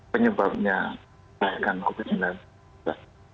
penyebabnya naikkan covid sembilan belas